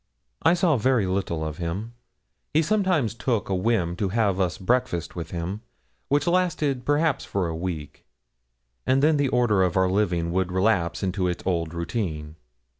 I saw very little of him. He sometimes took a whim to have us breakfast with him, which lasted perhaps for a week; and then the order of our living would relapse into its old routine.